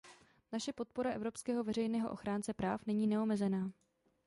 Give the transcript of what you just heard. Naše podpora evropského veřejného ochránce práv není neomezená.